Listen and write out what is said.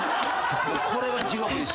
これは地獄です。